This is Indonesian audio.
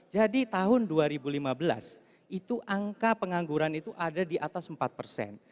jadi tahun dua ribu lima belas itu angka pengangguran itu ada di atas empat persen